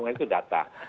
baru itu data